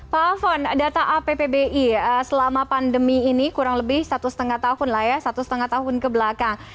pak afon data appbi selama pandemi ini kurang lebih satu setengah tahun kebelakang